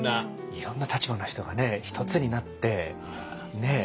いろんな立場の人が一つになってねえ